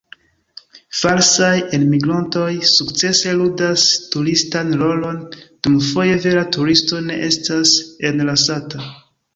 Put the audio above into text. Falsaj enmigrontoj sukcese ludas turistan rolon, dum foje vera turisto ne estas enlasata.